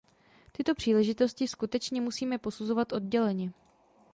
Tyto záležitosti skutečně musíme posuzovat odděleně.